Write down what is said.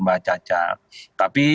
mbak caca tapi